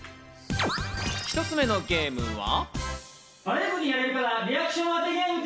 １つ目のゲームは。